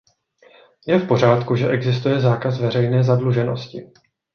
Je v pořádku, že existuje zákaz veřejné zadluženosti.